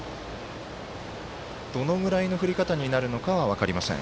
どのぐらいの振り方になるのかは分かりません。